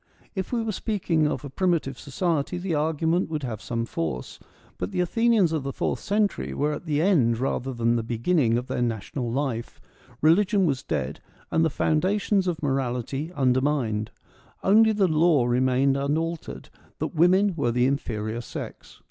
If we were speaking of a primi tive society the argument would have some force, but the Athenians of the fourth century were at the end rather than the beginning of their national life : religion was dead, and the foundations of morality undermined ; only the law remained un altered, that women were the inferior sex.